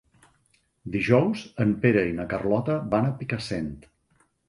Dijous en Pere i na Carlota van a Picassent.